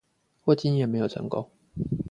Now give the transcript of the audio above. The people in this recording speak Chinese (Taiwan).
霍金也沒有成功